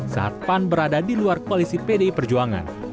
saat pan berada di luar koalisi pdi perjuangan